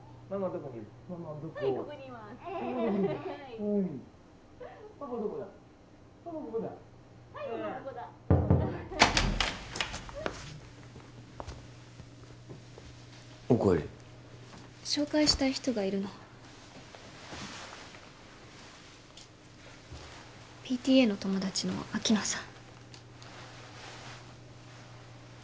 ここだお帰り紹介したい人がいるのＰＴＡの友達の秋野さん